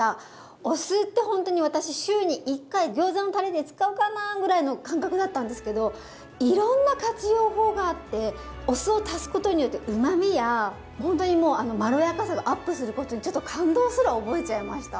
お酢ってほんとに私週に１回ギョーザのタレで使うかなぐらいの感覚だったんですけどいろんな活用法があってお酢を足すことによってうまみやほんとにもうあのまろやかさがアップすることにちょっと感動すら覚えちゃいました！